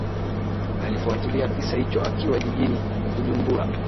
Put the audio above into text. alifuatilia kisa hicho akiwa jijini bujumbura